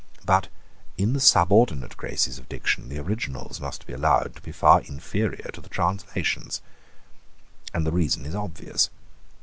But in the subordinate graces of diction the originals must be allowed to be far inferior to the translations. And the reason is obvious.